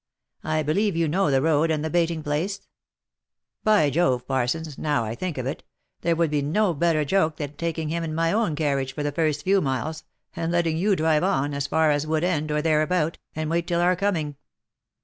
I believe you know the road and the baiting place ?— By Jove ! Parsons, now I think of it, there would be no better joke than taking him in my own carriage for the first few miles, and letting you drive on, as far as Wood End or there about, and wait till our coming.